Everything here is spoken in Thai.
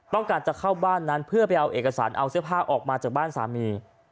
ต้องการจะเข้าบ้านนั้นเพื่อไปเอาเอกสารเอาเสื้อผ้าออกมาจากบ้านสามี